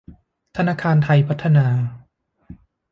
ธนาคารไทยพัฒนา